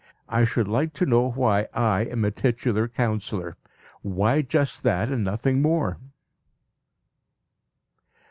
I should like to know why I am a titular councillor why just that, and nothing more?